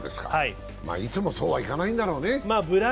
いつもそうはいかないんだろうね。